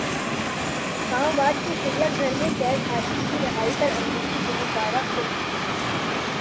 اسلام باد کے چڑیا گھر میں قید ہاتھی کی رہائی پر امریکی گلوکارہ خوش